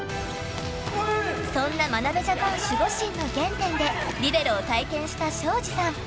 そんな眞鍋ジャパン守護神の原点でリベロを体験した庄司さん。